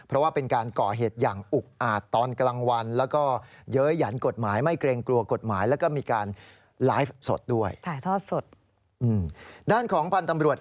แล้วก็จะเร่งรวบรวมหลักฐาน